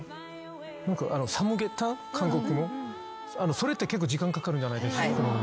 それって結構時間かかるじゃないですか。